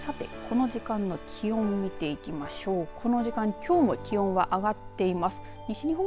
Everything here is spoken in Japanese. さて、この時間の気温を見ていきましょう。